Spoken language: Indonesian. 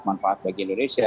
manfaat bagi indonesia